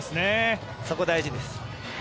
そこ大事です。